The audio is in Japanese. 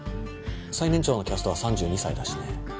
最年長のキャストは３２歳だしね。